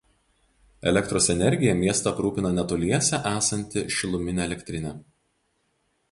Elektros energija miestą aprūpina netoliese esanti šiluminė elektrinė.